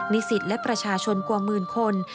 นิสิตและประชาชนกว่ามืนคน